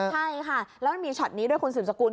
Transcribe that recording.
ใช่ค่ะแล้วมันมีช็อตนี้ด้วยคุณสืบสกุล